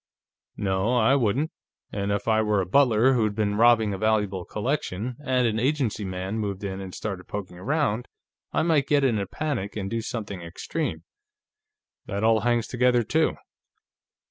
"No, I wouldn't. And if I were a butler who'd been robbing a valuable collection, and an agency man moved in and started poking around, I might get in a panic and do something extreme. That all hangs together, too."